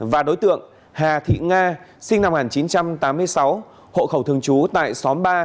và đối tượng hà thị nga sinh năm một nghìn chín trăm tám mươi sáu hộ khẩu thường trú tại xóm ba